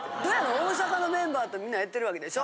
大阪のメンバーとみんなやってるわけでしょ？